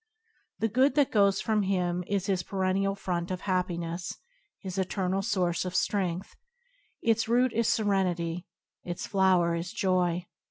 The good that goes from him is his perennial fount of happiness, his eternal source of strength. Its root is seren ity, its flower is joy.